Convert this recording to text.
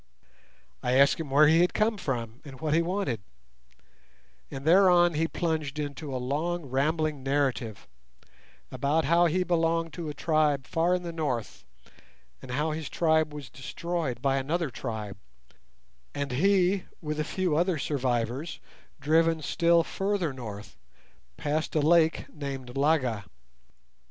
I asked him where he came from and what he wanted, and thereon he plunged into a long rambling narrative about how he belonged to a tribe far in the north, and how his tribe was destroyed by another tribe, and he with a few other survivors driven still further north past a lake named Laga.